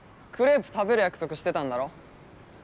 クレープ食べる約束してたんだろ？